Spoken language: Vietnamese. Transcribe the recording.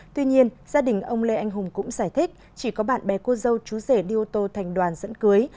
tuy nhiên gia đình ông lê anh hùng cũng giải thích chỉ có bạn bè cô dâu chú rể đi ô tô thành đoàn dẫn cưới